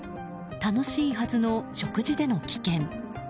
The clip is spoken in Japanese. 楽しいはずの食事での危険。